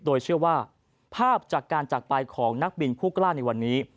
โดยเชื่อว่าภาพจากการจักรไปของนักบินผู้กล้าในวันนี้